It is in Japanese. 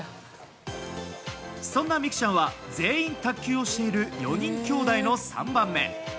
そんな美空ちゃんは全員卓球をしている４人きょうだいの３番目。